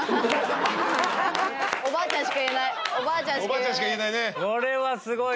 おばあちゃんしか言えないね。